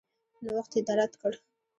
نوښت یې رد کړ.